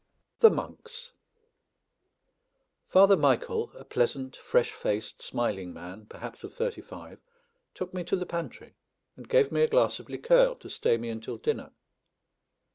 THE MONKS Father Michael, a pleasant, fresh faced, smiling man, perhaps of thirty five, took me to the pantry, and gave me a glass of liqueur to stay me until dinner.